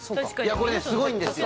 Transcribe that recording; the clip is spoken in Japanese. これねすごいんですよ